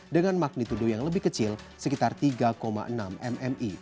dengan magnitudo yang lebih kecil sekitar tiga enam mm